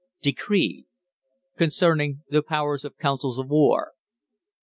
DECREE CONCERNING THE POWER OF COUNCILS OF WAR.